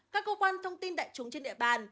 các cơ quan thông tin đại chúng trên địa bàn